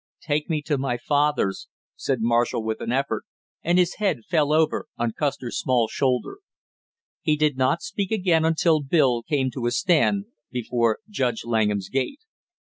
"Take me to my father's," said Marshall with an effort, and his head fell over on Custer's small shoulder. He did not speak again until Bill came to a stand before Judge Langham's gate.